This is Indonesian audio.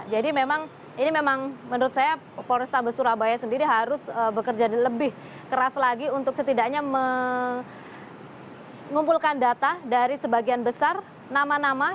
jadi memang ini memang menurut saya polrestabes surabaya sendiri harus bekerja lebih keras lagi untuk setidaknya mengumpulkan data dari sebagian besar nama nama